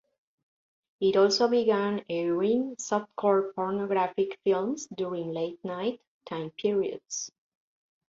It also began airing softcore pornographic films during late night time periods.